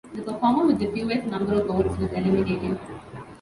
The performer with the fewest number of votes was eliminated.